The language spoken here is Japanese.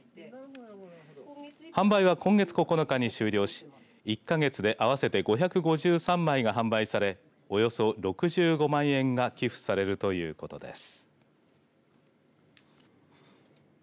販売は今月９日に終了し１か月で合わせて５５３枚が販売されおよそ６５万円が寄付されるということです。